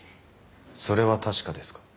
それは確かですか？